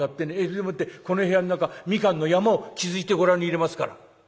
それでもってこの部屋ん中蜜柑の山を築いてご覧に入れますから」。